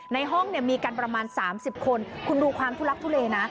ในห้องมีกันประมาณ๓๐คนคุณดูความทุลักทุเลนะ